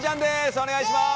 お願いします。